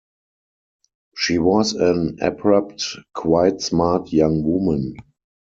She was an abrupt, quite smart young woman.